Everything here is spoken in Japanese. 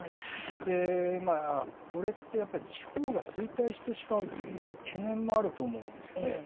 で、これってやっぱり、地方が衰退してしまうという懸念もあると思うんですよね。